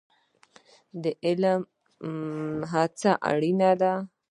د علم لپاره هڅه اړین ده